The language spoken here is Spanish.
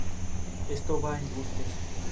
Esto va en gustos.